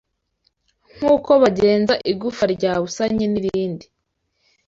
nk’uko bagenza igufwa ryabusanye n’irindi.